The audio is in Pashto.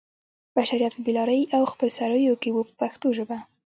بشریت په بې لارۍ او خپل سرویو کې و په پښتو ژبه.